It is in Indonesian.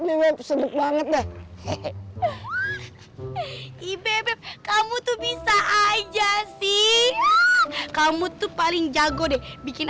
sih itu heb sedut banget deh heb ibebe kamu tuh bisa aja sih kamu tuh paling jago deh bikin